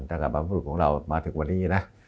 ถ้าถ้าบางส่วนของเรามาถึงวันนี้นะ